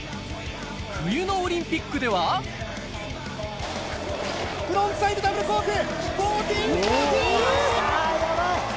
冬のオリンピックではフロントサイドダブルコーク１４４０！